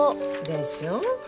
でしょう？